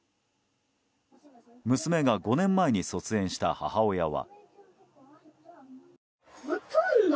娘が５年前に卒園した母親は。